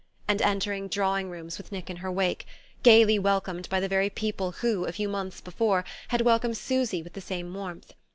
and entering drawing rooms with Nick in her wake, gaily welcomed by the very people who, a few months before, had welcomed Susy with the same warmth.